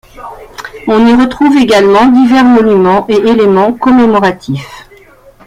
On y retrouve également divers monuments et éléments commémoratifs.